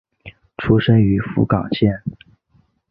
出身于福冈县。